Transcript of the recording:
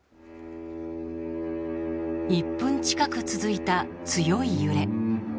１分近く続いた強い揺れ。